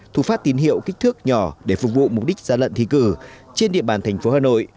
thu phát tín hiệu kích thước nhỏ để phục vụ mục đích gian lận thi cử trên địa bàn thành phố hà nội